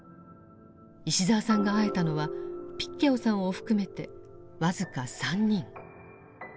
石澤さんが会えたのはピッ・ケオさんを含めて僅か３人。